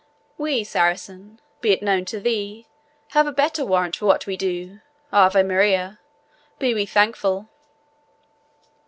We, Saracen, be it known to thee, have a better warrant for what we do Ave Maria! be we thankful."